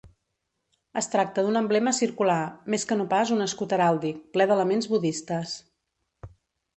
Es tracta d'un emblema circular, més que no pas un escut heràldic, ple d'elements budistes.